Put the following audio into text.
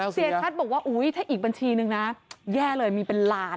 เสียชัดบอกว่าอุ๊ยถ้าอีกบัญชีนึงนะแย่เลยมีเป็นล้าน